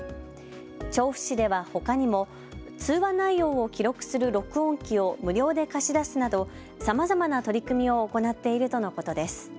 調布市ではほかにも通話内容を記録する録音機を無料で貸し出すなどさまざまな取り組みを行っているとのことです。